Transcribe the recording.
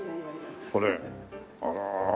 これあら。